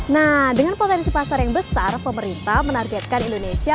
nah dengan potensi pasar yang besar pemerintah menargetkan indonesia